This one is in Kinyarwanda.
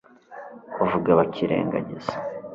uvuga, bakirengagiza